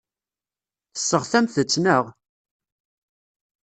Tesseɣtamt-tt, naɣ?